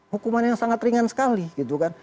hukuman yang sangat ringan sekali gitu kan